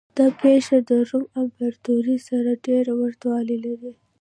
دا پېښه د روم امپراتورۍ سره ډېر ورته والی لري.